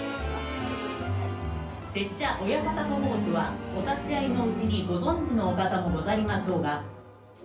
拙者、親方と申すはお立ち会いのうちにご存じのお方もござりましょうが。